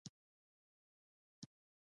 دوه بالښته يو کړئ او په غټ پوښ کې يې واچوئ.